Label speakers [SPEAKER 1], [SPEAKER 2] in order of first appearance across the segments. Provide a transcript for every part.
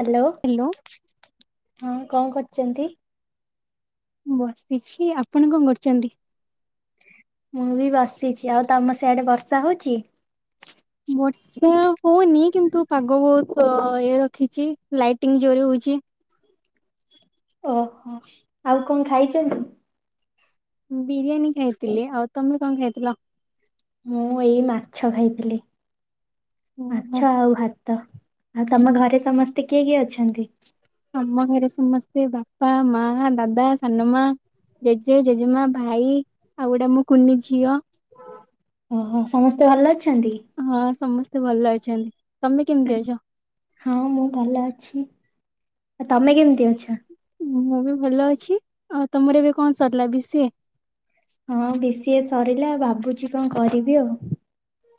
[SPEAKER 1] Hello ହଁ କଣ କର ଅଛନ୍ତି
[SPEAKER 2] ବସିଛି ଆପଣ କଣ କରୁଛନ୍ତି।
[SPEAKER 1] ମୁଁ ବି ବସିଛି ଆଉ ତମ ସେଆଡେ ବର୍ଷା ହଉଛି।
[SPEAKER 2] ବର୍ଷା ହଉନି କିନ୍ତୁ ପାଗ ବହୁତ ଇଏ ରଖିଛି ଲାଇଟିଙ୍ଗ ଜୋରେ ହଉଛି।
[SPEAKER 1] ଓହୋ ଆଉ କଣ ଖାଇଛନ୍ତି।
[SPEAKER 2] ହୁଁ ବିରିୟାନୀ ଖାଇଥିଲି ଆଉ ତମେ କଣ ଖାଇଥିଲ।
[SPEAKER 1] ମୁଁ ଏଇ ମାଛ ଖାଇଥିଲି।
[SPEAKER 2] ଓହୋ
[SPEAKER 1] ଆଚ୍ଛା ଆଉ ହାତ ତ ଆଉ ତମ ଘରେ ସମସ୍ତେ କିଏ କିଏ ଅଛନ୍ତି।
[SPEAKER 2] ଆମ ଘରେ ସମସ୍ତେ ବାପା ମା ଦାଦା ସାନମା ଜେଜେ ଜେଜେମା ଭାଇ ଆଉ ଗୁଟେ ମୋ କୁନି ଝିଅ।
[SPEAKER 1] ଓହୋ ସମସ୍ତେ ଭଲ ଅଛି
[SPEAKER 2] ହଁ ସମସ୍ତେ ଭଲ ଅଛନ୍ତି। ତମେ କେମିତି ଅଛ?
[SPEAKER 1] ହଁ ମୁଁ ଭଲ ଅଛି। ଆ ତମେ କେମିତି ଅଛ।
[SPEAKER 2] ମୁଁ ବି ଭଲ ଅଛି ଆଉ ତମର ଏବେ କଣ ସରିଲା ବି ସି ଏ।
[SPEAKER 1] ହଁ ବିସିିଏ ସରିଲା ଭାବୁଛି କଣ କରିବି ଆଉ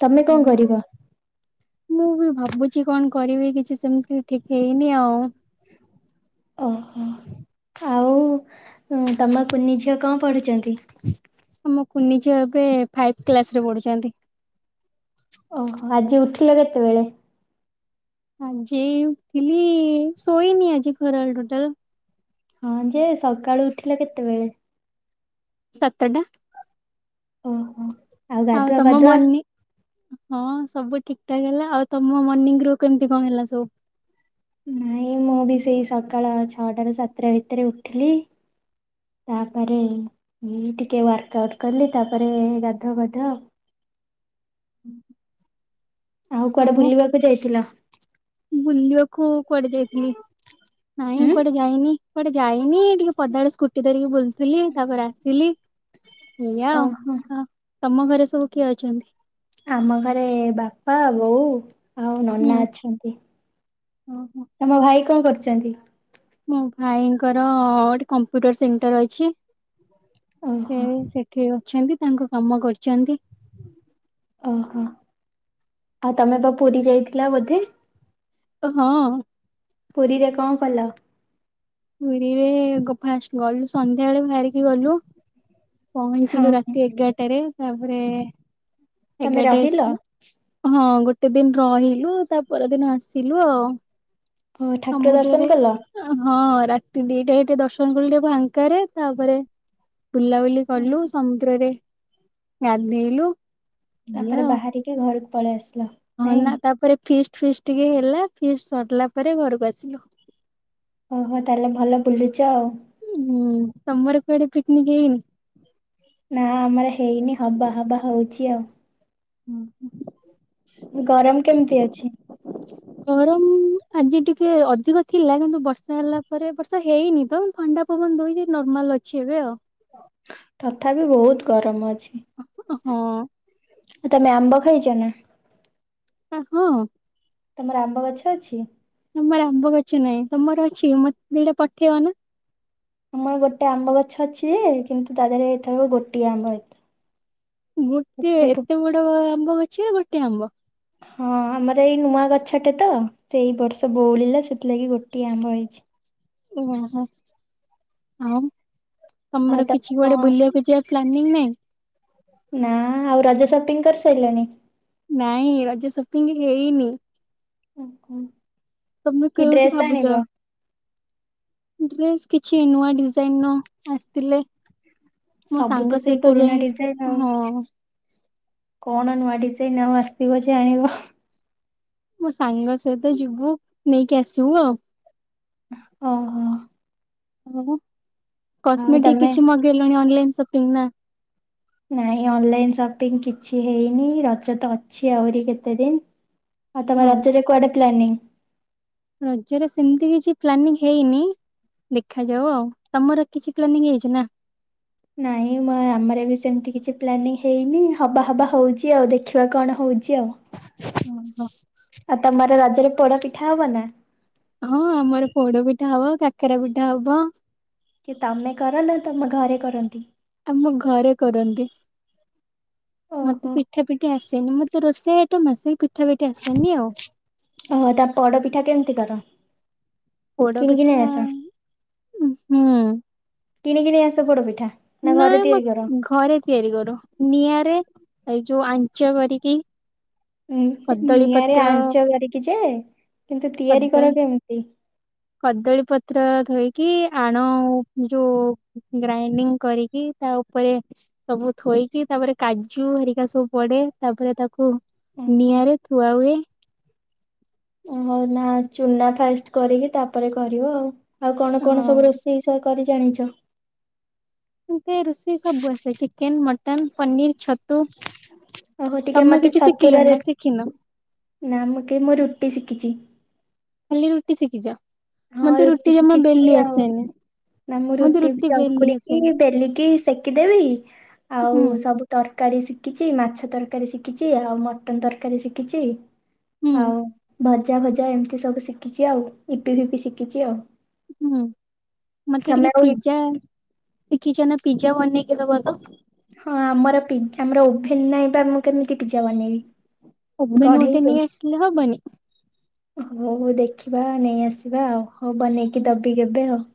[SPEAKER 1] ତମେ କଣ
[SPEAKER 2] ହଁ
[SPEAKER 1] କରିବ?
[SPEAKER 2] ମୁଁ ବି ଭାବୁଛି କଣ କରିବି କିଛି ସେମିତି ଠିକ ହେଇନି ଆଉ।
[SPEAKER 1] ଓହୋ ଆଉ ତମ କୁନି ଝିଅ କଣ ପଢୁଛନ୍ତି।
[SPEAKER 2] ଆମ କୁୁନି ଝିଅ ଏବେ ଫାଇଭ କ୍ଲାସ ରେ ପଢୁଛନ୍ତି।
[SPEAKER 1] ଓହୋ ଆଜି ଉଠିଲ କେତେବେଳେ?
[SPEAKER 2] ଆଜି ଉଠିଲି ଶୋଇନି ଆଜି ଖରାବେଳେ ଟୋଟାଲ।
[SPEAKER 1] ହଁ ଯେ ସକାଳୁ ଉଠିଲେ କେତେବେଳେ।
[SPEAKER 2] ସାତଟା।
[SPEAKER 1] ଓହୋ
[SPEAKER 2] ଆଉ
[SPEAKER 1] ଗାଧୁଆ
[SPEAKER 2] ତମ
[SPEAKER 1] ପାଧୁଆ?
[SPEAKER 2] ମନି ହଁ ସବୁ ଠିକ୍ ଠାକ ହେଲା ଆଉ ତମ ମର୍ଣ୍ଣିିଂ ର କେମିତି କଣ ହେଲା ସବୁ?
[SPEAKER 1] ନାଇଁ ମୁଁ ବି ସେଇ ସକାଳ ଛଅଟ ର ସାତଟା ଭିତରେ ଉଠିଲି। ତାପରେ ଟିକେ ୱାର୍କ ଆଉଟ୍ କଲି ତାପରେ ଗାଧୁଆ ପାଧୁଆ ଆଉ
[SPEAKER 2] ହୁଁ
[SPEAKER 1] ଆଉ କୁଆଡେ ବୁଲିବାକୁ ଯାଇଥିଲ?
[SPEAKER 2] ବୁଲିବାକୁ କୁଆଡେ ଯାଇଥିଲି ନାଇଁ
[SPEAKER 1] ଉଁ
[SPEAKER 2] କୁଆଡେ ଯାଇନି। କୁଆଡେ ଯାଇ ନି ଟିକେ ପଦା ଆଡେ ସ୍କୁଟି ଧରିକି ବୁଲଥିଲି ତାପରେ ଆସିଲି ଏଇଆ ଆଉ
[SPEAKER 1] ଓହୋ
[SPEAKER 2] ଆ ତମ ଘରେ ସବୁ କିଏ ଅଛନ୍ତି?
[SPEAKER 1] ଆମ ଘରେ ବାପା ବୋଉ ଆଉ ନନା ଅଛନ୍ତି?
[SPEAKER 2] ହଁ
[SPEAKER 1] ତମ ଭାଇ କଣ କରୁଛନ୍ତି?
[SPEAKER 2] ମୋ ଭାଇଙ୍କର ଗୋଟେ କମ୍ପ୍ୟୁଟର ସେଣ୍ଟର ଅଛି। ସେ
[SPEAKER 1] ଓହୋ।
[SPEAKER 2] ସେଠି ଅଛନ୍ତି। ତାଙ୍କ କାମ କରୁଛନ୍ତି।
[SPEAKER 1] ଓହୋ ଆଉ ତମେ ବା ପୁରୀ ଯାଇଥିଲ ବୋଧେ
[SPEAKER 2] ହଁ
[SPEAKER 1] ପୁରୀ ରେ କଣ କଲ?
[SPEAKER 2] ପୁରୀରେ ଗୋ ଫାଷ୍ଟ ଗଲୁ ସନ୍ଧ୍ୟାବେଳେ ବାହାରିକି ଗଲୁ ପହଞ୍ଚିଲୁ
[SPEAKER 1] ହଁ।
[SPEAKER 2] ରାତି ଏଗାରଟାରେ ତାପରେ
[SPEAKER 1] ତମେ
[SPEAKER 2] ଏଗାରଟା
[SPEAKER 1] ରହିଲ
[SPEAKER 2] ହେଇସିନା ହଁ ଗୋଟ କେତେ ଦିନ ରହିଲୁ ତା ପର ଦିନ ଆସିଲୁ ଆଉ।
[SPEAKER 1] ଓ ଠାକୁର ଦର୍ଶନ
[SPEAKER 2] ସମୁଦ୍ରରେ
[SPEAKER 1] କଲ?
[SPEAKER 2] ହଁ ରାତ ଦିଟା ରେ ଦର୍ଶନ କଲୁ ଟିକେ ଫାଙ୍କାରେ ତାପରେ ବୁଲାବୁଲି
[SPEAKER 1] ହୁଁ
[SPEAKER 2] କଲୁ ସମୁଦ୍ରରେ ଗାଧେଇଲୁ ଇଏ
[SPEAKER 1] ତାପରେ
[SPEAKER 2] ଆଉ
[SPEAKER 1] ବାହାରିକି ଘରକୁ ପଳେଇ ଆସ
[SPEAKER 2] ହଁ ନା ତାପରେ ଫିଷ୍ଟ ଫିଷ୍ଟ ଟିକେ ହେଲା ଫିଷ୍ଟ ସରିଲା ପରେ ଘରକୁ ଆସିଲୁ।
[SPEAKER 1] ଓହୋ ତାହେଲେ ଭଲ ବୁଲୁଛ ଆଉ।
[SPEAKER 2] ହୁଁ ତମର କୁଆଡେ ପିକନିକ ହେଇନି?
[SPEAKER 1] ନା ଆମର ହେଇନି ହବା ହବା ହଉଛି ଆଉ।
[SPEAKER 2] ହୁଁ ହୁଁ
[SPEAKER 1] ଗରମ କେମତି ଅଛି?
[SPEAKER 2] ଗରମ ଆଜି ଟିକେ ଅଧିକ ଥିଲା କିନ୍ତୁ ବର୍ଷା ହେଲା ପରେ ବର୍ଷା ହେଇନି ତ ଥଣ୍ଡା ପବନ ଦଉ ନର୍ମାଲ ଅଛି ଏବେ ଆଉ।
[SPEAKER 1] ତଥାପି ବହୁତ ଗରମ ଅଛି।
[SPEAKER 2] ହଁ।
[SPEAKER 1] ତମେ ଆମ୍ବ ଖାଇଛ ନା?
[SPEAKER 2] ଆଁ ହଁ।
[SPEAKER 1] ତମର ଆମ୍ବ ଗଛ ଅଛି?
[SPEAKER 2] ତମର ଆମ୍ବ ଗଛ ନାଇଁ ତମର ଅଛି ମତେ ଦିଟା ପଠେଇବ ନା।
[SPEAKER 1] ଆମର ଗୋଟେ ଆମ୍ବ ଗଛ ଅଛି ଯେ କିନ୍ତୁ ତା ଦେହରେଥ ଗୋଟିଏ ଆମ୍ବ ଏତ
[SPEAKER 2] ଗୋଟେ ଏତେ ବଡ ଆମ୍ବ ଗଛରେ ଗୋଟେ ଆମ୍ବ।
[SPEAKER 1] ହଁ ଆମର ଏଇ ନୂଆ ଗଛଟେ ତ ସେ ଏଇ ବର୍ଷ ବୋଉଳିଲା ସେଥିଲାଗି ଗୋଟିଏ ଆମ୍ବ ହେଇଛି।
[SPEAKER 2] [inaudible]
[SPEAKER 1] ଆଉ
[SPEAKER 2] ତମର
[SPEAKER 1] ତମେ
[SPEAKER 2] କିଛି
[SPEAKER 1] କଣ
[SPEAKER 2] କୁଆଡେ ବୁଲିବାକୁ ଯାଅ ପ୍ଲନିଂ ନାଇଁ?
[SPEAKER 1] ନା ଆଉ ରଜ ସପିଙ୍ଗ କରିସାରିଲାଣି?
[SPEAKER 2] ନାଇଁ ରଜ ସପିଂ ହେଇନି।
[SPEAKER 1] ଓହୋ।
[SPEAKER 2] ତମେ କେଉଠି ଭାବୁଚ? ଡ୍ରେସ କିଛି ନୂଆ ଡିଜାଇନ ର ଆସିଥିଲେ ମୋ
[SPEAKER 1] ସବୁ ତ
[SPEAKER 2] ସାଙ୍ଗ
[SPEAKER 1] ସେଇ
[SPEAKER 2] ସହିତ
[SPEAKER 1] ପୁରୁଣା
[SPEAKER 2] ଯାଇ
[SPEAKER 1] ଡିଜାଇନ ଆଉ।
[SPEAKER 2] ହଁ
[SPEAKER 1] କଣ ନୂଆ ଡିଜାଇନ ଆଉ ଆସିବ ଯେ ଆଣିବ।
[SPEAKER 2] ମୋ ସାଙ୍ଗ ସହିତ ଯିବୁ ନେଇକି ଆସିବୁ ଆଉ।
[SPEAKER 1] ଓ ହୋ।
[SPEAKER 2] ଆଉ କସ୍ମେଟିକ
[SPEAKER 1] ତମେ
[SPEAKER 2] କିଛି ମଗେଇଲୁଣି ଅନଲାଇନ ସବୁ ପ ନା
[SPEAKER 1] ନାଇଁ ଅନଲାଇନ ସପିଙ୍ଗ କିଛି ହେଇନି ରଜ ତ ଅଛି ଆହୁରି କେତେ ଦିନ। ଆଉ
[SPEAKER 2] ହଁ।
[SPEAKER 1] ତମ ରାଜରେ କୁଆଡେ ପ୍ଲାନିଂ
[SPEAKER 2] ରଜରେ ସେମତି କିଛି ପ୍ଲାନିଂ ହେଇନି ଦେଖାଯାଉ ଆଉ ତମର କିଛି ପ୍ଲାନିଂ ହେଇଛି ନା?
[SPEAKER 1] ନାଇଁ ମ ଆମର ବି ସେମିତି କିଛି ପ୍ଲାନିଂ ହେଇନି ହବା ହବା ହଉଛି ଆଉ ଦେଖିବା କଣ ହଉଛି ଆଉ।
[SPEAKER 2] ଓହୋ
[SPEAKER 1] ଆଉ ତମର ରଜ ରେ ପୋଡ଼ ପିଠା ହେବନା?
[SPEAKER 2] ହଁ ଆମର ପୋଡ ପିଠା ହବ କାକରା ପିଠା ହବ
[SPEAKER 1] କି ତମେ କର ନା ତମ ଘରେ କରନ୍ତି?
[SPEAKER 2] ଆମ ଘରେ କରନ୍ତି।
[SPEAKER 1] ଓହୋ
[SPEAKER 2] ମତେ ପିଠା ପିଠା ଆସନି ମତେ ରୋଷେଇ ସେ ଏଠୁ ମ ମାସେ
[SPEAKER 1] ଓହୋ ତା ପୋଡ ପିଠା କେମିତି କର?
[SPEAKER 2] ପୋଡ
[SPEAKER 1] କିଣିକି ନେଇ
[SPEAKER 2] ପିଠା
[SPEAKER 1] ଆସ
[SPEAKER 2] ଉ
[SPEAKER 1] କିନିକି ନେଇଆସ ପୋଡପିଠା।
[SPEAKER 2] ନା ମ ଘରେ ତିଆରି କରୁ। ନିଆଁରେ ଏଇ ଯୋଉ ଆଞ୍ଚ କରିକି କଦଳୀ
[SPEAKER 1] ନିଆଁରେ
[SPEAKER 2] ପତ୍ର
[SPEAKER 1] ଆଞ୍ଚ କରିକି ଯେ କିନ୍ତୁ ତିଆରି କର
[SPEAKER 2] କଦଳୀ
[SPEAKER 1] କେମିତି?
[SPEAKER 2] କଦଳୀ ପତ୍ର ଧୋଇକି ଆଣ ଯୋଉ ଗ୍ରାଇଣ୍ଡିଙ୍ଗ କରିକି ତା ଉପରେ ସବୁ ଥୋଇକି ତାପରେ କାଜୁ ହେରିକା ସବୁ ପଡ଼େ ତାପରେ ତାକୁ
[SPEAKER 1] ଓହୋ
[SPEAKER 2] ନିଆଁରେ ଥୁଆ ହୁଏ।
[SPEAKER 1] ହଉ ନା ଚୁନା ଫାଷ୍ଟ କରିକି ତାପରେ କରିବ ଆଉ ଆଉ କଣ
[SPEAKER 2] ହଁ
[SPEAKER 1] କଣ ସବୁ ରଷେଇ ସା କରି ଜାଣିଛ।
[SPEAKER 2] ମତେ ରୋଷେଇ ସବୁ ଆସେ ଚିକେନ ମଟନ୍। ମଟନ ପନିର ଛତୁ
[SPEAKER 1] ଓହୋ ଟିକେ
[SPEAKER 2] ତମେ
[SPEAKER 1] ମତେ
[SPEAKER 2] କିଛି
[SPEAKER 1] ଛତୁର
[SPEAKER 2] ଶିଖିଲଣି ନା
[SPEAKER 1] ରେସ
[SPEAKER 2] ଶିଖିନ
[SPEAKER 1] ନା ମୁଁ କେ ମୁ ରୁଟି ଶିଖିଛି।
[SPEAKER 2] ଖାଲି ରୁଟି ସେଖିଚ।
[SPEAKER 1] ହଁ ରୁଟି ଶିଖିଛି ଆଉ ନା ମୁଁ
[SPEAKER 2] ମତେ
[SPEAKER 1] ରୁଟି
[SPEAKER 2] ବେଲି ଆସେନି
[SPEAKER 1] ଚକୁଡିକି ବେଲିକି ସେ ସେକିଦେବି। ଆଉ
[SPEAKER 2] ହୁଁ
[SPEAKER 1] ସବୁ ତର କାରୀ ଶିଖିଛି ମାଛ ତରକାରୀ ଶିଖିଛି ଆଉ ମଟନ ତରକାରୀ ଶିଖିଛି।
[SPEAKER 2] ହୁଁ
[SPEAKER 1] ହଉ ଭ ଭଜା ଭଜା ଏମିତି ସବୁ ଶିଖିଛି ଆଉ ଇ ଇପି ଫିପି ଶିଖିଛି ଆଉ।
[SPEAKER 2] ହୁଁ ମତେ
[SPEAKER 1] ତମେ
[SPEAKER 2] ଟିକେ
[SPEAKER 1] ଆଉ
[SPEAKER 2] ପିଜ୍ଜା ଶିଖିଛ ନା ପିଜ୍ଜା ବନେଇ କି ଦବା ଟା।
[SPEAKER 1] ହଁ ଆମର ପିଜ ଆମର ଓଭେନ ନାହିଁ ବା ମୁଁ କେମିତି ପିଜ୍ଜା ବନେଇବି।
[SPEAKER 2] ଓଭେନ ଗୋଟେ
[SPEAKER 1] କଢେଇରେ
[SPEAKER 2] ନେଇ ଆସିଲେ ହବନି।
[SPEAKER 1] ହଉ ଦେଖିବା ନେଇ ଆସିବା ଆଉ। ହଉ ବନେଇକି ଦବି କେବେ ଆଉ।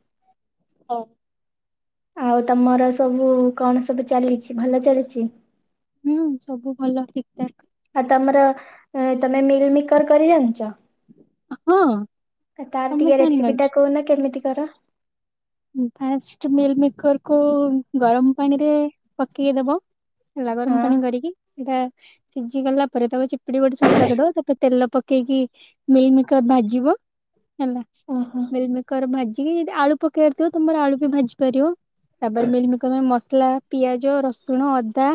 [SPEAKER 2] ହଉ।
[SPEAKER 1] ଆଉ ତମର ସବୁ କଣ ସବୁ ଚାଲିଛି ଭଲ ଚାଲିଛି।
[SPEAKER 2] ହୁଁ ସବୁ ଭଲ ଠିକଠାକ।
[SPEAKER 1] ଆଉ ତମର ତମେ ମିଲ୍ ମିକର କରି ଜାଣିଛ।
[SPEAKER 2] ହଁ
[SPEAKER 1] ତାର
[SPEAKER 2] ତମେ
[SPEAKER 1] ଟିକେ
[SPEAKER 2] ଜାଣିନ
[SPEAKER 1] ରେସିପି ଟା କହୁନା କେମିତି ତାର
[SPEAKER 2] ଫାଷ୍ଟ ମିଲ୍ ମିକର କୁ ଗରମ ପାଣିରେ ପକେଇ ଦବ। ହେଲା
[SPEAKER 1] ହଁ
[SPEAKER 2] ଗରମ ପାଣି କରିକି ଏଇଟା ସିଝି ଗଲା ପରେ ତାକୁ ଚି ପୁଡ଼ି ଗୋଟି ସାଇଡ ରେ ପକେଇଦବ ତାପରେ ତେଲ ପ କ କେଇକି ମିଲମିକର ଭାଜିବ ହେଲା
[SPEAKER 1] ଓହୋ ହଁ।
[SPEAKER 2] ମିଲମିକର ଭାଜି ଯି କି ଯଦି ଆଳୁ ପ ତମର ଆଳୁ ବି ଭାଜି ପାରିବ ତାପରେ ମିଲମିକର ପାଇଁ ମସ ଥିଲା ପିଆଜ, ରସୁଣ, ଅଦା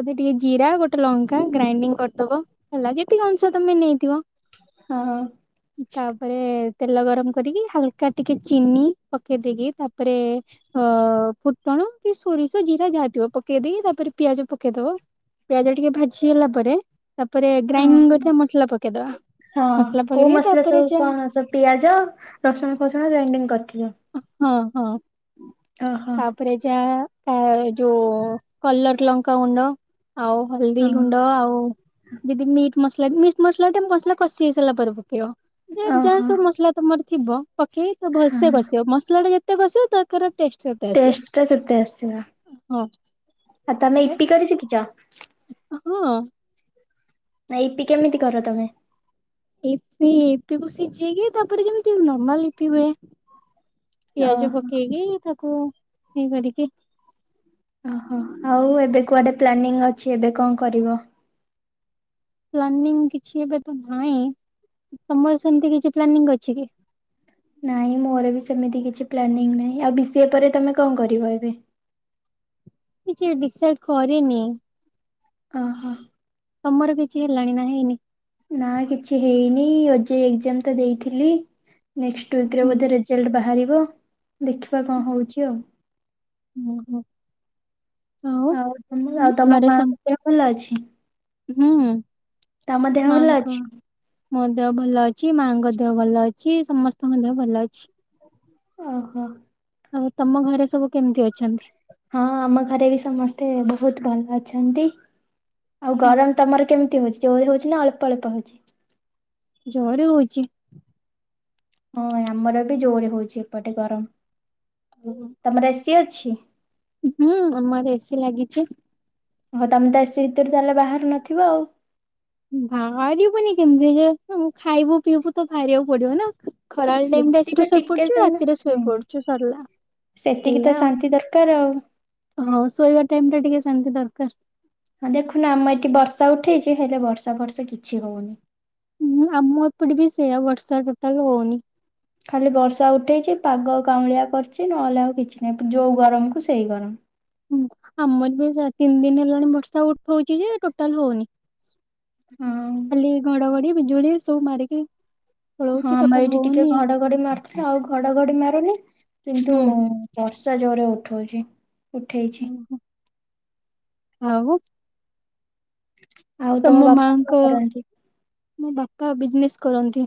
[SPEAKER 2] ଏବେ ଟିକେ ଜିରା ଗୋଟେ ଲଙ୍କା ଗ୍ରାଇଣ୍ଡିଙ୍ଗ କରିଦବ ହେଲା। ଯେତିକି ଅଂଶ ତମେ ନେଇଥିବ ତାପରେ ତେଲ ଗରମ କରିକି ହାଲ କାଟିକି ଚିନି ପ ପକେଇ ଦେଇକି ତାପରେ ଅ-ଅ-ଅ ଫୁଟଣ କି ସୋରିଷ, ଜିରା ଯାହା ଥିବ ପକେଇ ଦେଇଇକି ତାପରେ ପିଆଜ ପକେଇଦବ। ପିଆଜ ଟିକେ ଭାଜି ହେଲା ପରେ ତାପରେ ଗ୍ରାଇଣ୍ଡିଙ୍ଗ
[SPEAKER 1] ଓହୋ
[SPEAKER 2] କରିଥିବା ମସଲା ପକେଇଦବା
[SPEAKER 1] ହଁ
[SPEAKER 2] ମସଲା
[SPEAKER 1] କୋଉ
[SPEAKER 2] ପକେଇଦେଇ
[SPEAKER 1] ମସଲା
[SPEAKER 2] ତାପରେ
[SPEAKER 1] ସବୁ
[SPEAKER 2] ଯା
[SPEAKER 1] କଣ ସବୁ ପିଆଜ, ରସୁଣ ଫସୁଣ ଗ୍ରାଇଣ୍ଡିଙ୍ଗ କରିଥିବ
[SPEAKER 2] ହଁ ହଁ।
[SPEAKER 1] ଓହୋ
[SPEAKER 2] ତାପରେ ଯା ଆ ଯୋ-ଓ-ଓ କଲର୍ ଲଙ୍କାଗୁଣ୍ଡ ଆଉ ହଳଦୀ
[SPEAKER 1] ହଁ
[SPEAKER 2] ଗୁଣ୍ଡ ଆଉ ଯଦି ମିଟ୍ ମସଲା ମିର୍ଚ୍ଚ ମସଲାଟା ମସଲା କସି ହେଇସାରିଲା ପରେ ପକେଇବ। ଯେ ଯାହା
[SPEAKER 1] ଓହୋ
[SPEAKER 2] ସବୁ ମସଲା ତମର ଥିବ ପକେଇ ତ
[SPEAKER 1] ହଁ।
[SPEAKER 2] ଭଲସେ କସି ମସଲା ଟା ଯେତେ କସିବ ତାଙ୍କର ଟେଷ୍ଟ ଆସିବ।
[SPEAKER 1] ଟେଷ୍ଟ୍ ଟା ସେତେ ଆସିବ।
[SPEAKER 2] ହଁ।
[SPEAKER 1] ଆଉ ତମେ ଇପି କରି ଶିଖିଛ?
[SPEAKER 2] ହଁ।
[SPEAKER 1] ଆ ଇପି କେମିତି କର ତମେ?
[SPEAKER 2] ଇପି ଇପିକୁ ସିଝେଇକି ତାପରେ ଯେମିତି ନର୍ମାଲ ଇପି ହୁଏ। ପିଆଜ
[SPEAKER 1] ଓହୋ
[SPEAKER 2] ପକେଇକି ତ କୁ ହେଇ କରିକି
[SPEAKER 1] ଓହୋ ଆଉ ଏବେ କୁଆଡେ ପ୍ଲାନିଂ ଅଛି ଏବେ କଣ କରିବ?
[SPEAKER 2] ପ୍ଲାନିଂ କିଛି ଏବେ ତ ନାଇ। ତମର ସେମିତି କିଛି ପ୍ଲାନିଂ ଅଛି କି?
[SPEAKER 1] ନାଇଁ ମୋର ବି ସେମିତି କିଛି ପ୍ଲାନିଂ ନାହିଁ। ଆଉ ବି ସି ଏ ପରେ ତମେ କଣ କରିବ ଏବେ?
[SPEAKER 2] ଟିକେ ଡିସାଇଡ କରିନି।
[SPEAKER 1] ଓହୋ।
[SPEAKER 2] ତମର କିଛି ହେଲାଣି ନା ହେଇନି?
[SPEAKER 1] ନା କିଛି ହେଇନି ଏ ଏଜେ ଏକ୍ଜାମ୍ ଟା ଦେଇଥିଲି ନେକ୍ସଟ୍ ୱିକ୍ ରେ
[SPEAKER 2] ହୁଁ
[SPEAKER 1] ବୋଧେ ରେଜଲ୍ଟ ବାହାରିବ। ବ ଦେଖିବା କଣ ହଉଛି ଆଉ।
[SPEAKER 2] ଓହୋ।
[SPEAKER 1] ଆଉ ତମ ଆଉ ତମ ମାଙ୍କ ଦେହ ଭଲ ଅଛି?
[SPEAKER 2] ହୁଁ।
[SPEAKER 1] ତମ ଦେହ ଭଲ
[SPEAKER 2] ମାଙ୍କ
[SPEAKER 1] ଅଛି?
[SPEAKER 2] ମୋ ଦେହ ଭଲ ଅଛି। ମାଙ୍କ ଦେହ ଭଲ ଅଛି। ସମସ୍ତଙ୍କ ଦେହ ଭଲ ଅଛି।
[SPEAKER 1] ଓହୋ।
[SPEAKER 2] ଆଉ ତମ ଘରେ ସବୁ କେମିତି ଅ
[SPEAKER 1] ହଁ ଆମ ଘରେ ବି ସମସ୍ତେ ବହୁତ ଭଲ ଅ ଅଛନ୍ତି। ଆଉ ଗରମ ତମର କେମିତି ହଉ ଜୋ ହଉଛି ନା ଅଳ୍ପ ଅଳ୍ପ ହଉଛି।
[SPEAKER 2] ଜୋର ହଉଛି।
[SPEAKER 1] ହଁ ଆମର ବି ଜୋରେ ହଉଛି ଏପଟେ ଗରମ। ତମର କିଏ ଅଛି।
[SPEAKER 2] ହୁଁ ଆମର ଏସି ଲାଗିଛି।
[SPEAKER 1] ହଁ ତମେ ତ ଏସି ଭିତରେ ତାହେଲେ ବାହାରୁ ନଥିବ ଆଉ।
[SPEAKER 2] ବାହାରିବୁନି କେମିତି ଯେ ଖାଇବୁ ପିଇବୁ ତ ବାହାରିବାକୁ ପଡିବ ନା।
[SPEAKER 1] ଆ
[SPEAKER 2] ଖରା ବେଳ ଟାଇମ ଟା ଏସି
[SPEAKER 1] ସେତିକି
[SPEAKER 2] ଶୋଇ
[SPEAKER 1] ଟିକେ
[SPEAKER 2] ପଡୁଛୁ।
[SPEAKER 1] ତମେ
[SPEAKER 2] ରାତିରେ ଶୋଇ
[SPEAKER 1] ହୁଁ
[SPEAKER 2] ପଡୁଛୁ। ସରିଲା
[SPEAKER 1] ସେତିକି ତ
[SPEAKER 2] ଏଇଆ ଆଉ
[SPEAKER 1] ଶାନ୍ତି ଦରକାର ଆଉ।
[SPEAKER 2] [inaudible] ହଁ ଶୋଇବା ଟାଇ ଟା ଟିକେ ଶାନ୍ତି ଦର [unintelligible]
[SPEAKER 1] ହଁ ଦେଖୁନ ଆମ ଏଠି ବର୍ଷା ଉଠେଇଛି ହେଲେ ବର୍ଷା ଫର୍ଷା କିଛି ହଉନି।
[SPEAKER 2] ହୁଁ ଆମ ଏପଟେ ବି ସେଇଆ ବର୍ଷା ଟୋଟାଲ ହଉନି।
[SPEAKER 1] ଖାଲି ବର୍ଷା ଉଠେଇଛି ପାଗ କାଉଁଳିଆ କରିଛି ନହେଲେ ଆଉ କିଛି ନାହିଁ ଯୋଉ ଗରମକୁୁ ସେଇ ଗରମ।
[SPEAKER 2] ହୁଁ ଆମର ବି ତିନି ଦିନ ହେଲାଣି ବର୍ଷା ଉଠଉଛି ଯେ ଟୋଟାଲ ହଉନି।
[SPEAKER 1] ହଁ
[SPEAKER 2] [inaudible] ଅଲି ଘଡ଼ଘଡ଼ି ଯୁଡେ ସୋ ମାର କେ
[SPEAKER 1] ହଁ ଆମ ଏଇଠି ଟିକେ ଘଡଘଡି ମାରୁଥିଲା ଆଉ ଘଡଘଡି ମାରୁନି। କିନ୍ତୁ
[SPEAKER 2] ହୁଁ।
[SPEAKER 1] ବ ଜୋରେ ଉଠଉଚି। ଉଠେଇଛି।
[SPEAKER 2] ଓହୋ ଆଉ
[SPEAKER 1] ଆଉ ତମ ବାପା କଣ କରନ୍ତି।
[SPEAKER 2] ମୋ ବାପା ବିଜନେସ୍ କରନ୍ତି।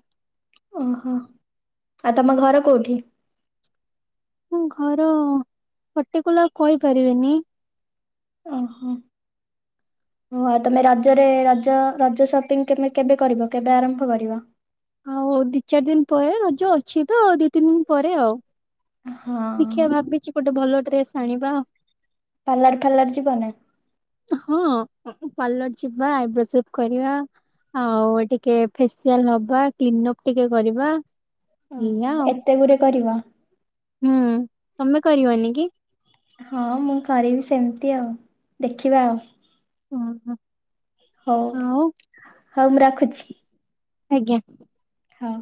[SPEAKER 1] ଓହୋ ଆଉ ତମ ଘର କୋଉଠି।
[SPEAKER 2] ମୁଁ ଘର ପଟିକୁଲାର କହିପାରିବିନି।
[SPEAKER 1] ଓହୋ [inaudible] ଓଉ ତମେ ରଜରେ ରଜ ରଜ ସପିଙ୍ଗମେ କେବେ କରିବ କେବେ ଆରମ୍ଭ କରିବ।
[SPEAKER 2] ଆଉ ଦି ଚାରି ଦିନ ପରେ ରଜ ଅଛି ତ ଦି ତିନି ଦିନ ପରେ ଆଉ।
[SPEAKER 1] ହଁ
[SPEAKER 2] ଦେଖିଆ ଭାବିଛି ଗୋଟେ ଭଲ ଡ୍ରେସ୍ ଆଣିବା
[SPEAKER 1] ପାର୍ଲାର ଫାର୍ଲାର ଯିବନି
[SPEAKER 2] ହଁ ପାର୍ଲର ଯିବା ଆଇବ୍ରୋ ସେବ କରିବା। ଆଉ ଟିକେ ଫେସିଆଲ ନବା କ୍ଲିନପ୍ ଟିକେ କରିବା। ଏଇଆ
[SPEAKER 1] ଓହୋ
[SPEAKER 2] ଆଉ।
[SPEAKER 1] ଏତେ ଗୁରେ କରିବ।
[SPEAKER 2] ହୁଁ ତମେ କରିବନି କି?
[SPEAKER 1] [inaudible] ହଁ ମୁଁ କରିବି ସେମ ତି ଆଉ ଦେଖିବା ଆଉ।
[SPEAKER 2] ଓ ହୋ।
[SPEAKER 1] ହଉ [inaudible] ହଉ ମୁଁ ରଖୁଛି।
[SPEAKER 2] ଆଜ୍ଞା।
[SPEAKER 1] ହଁ।